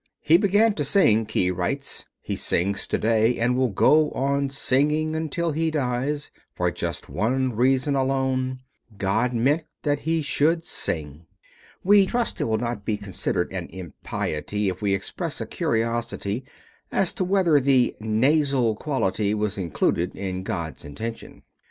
"He began to sing," Key writes, "he sings to day and will go on singing until he dies for just one reason alone: God meant that he should sing." We trust it will not be considered an impiety if we express a curiosity as to whether the nasal quality was included in God's intention.